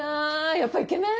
やっぱイケメン？